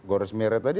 gorese merah tadi